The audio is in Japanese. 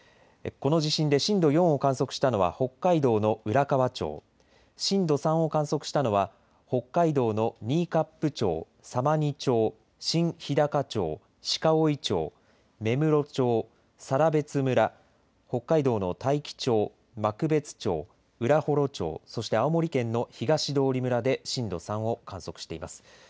この地震で震度４を観測したのは北海道の浦河町、震度３を観測したのは北海道の新冠町、様似町、新ひだか町、鹿追町、芽室町、更別村、北海道の大樹町、幕別町、浦幌町、そして青森県の東通村で震度３を観測しています。